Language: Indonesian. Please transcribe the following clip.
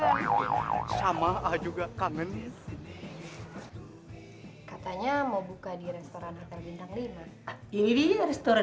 oh sama juga kangen katanya mau buka di restoran hotel bintang lima ini dia restoran